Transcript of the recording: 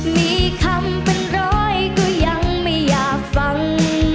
มีคำเป็นร้อยก็ยังไม่อยากฟัง